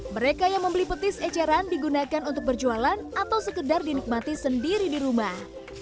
mereka yang membeli petis eceran digunakan untuk berjualan atau sekedar dinikmati sendiri di rumah